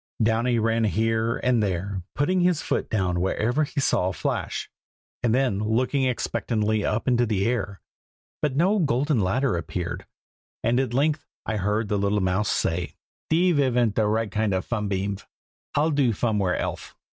Downy ran here and there, putting his foot down wherever he saw a flash, and then looking expectantly up into the air. But no golden ladder appeared, and at length I heard the little mouse say, "Deve ivn't de right kind of funbeamv. I'll do fomewhere elfe."